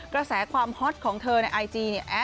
กระแสความฮอตของเธอในไอจี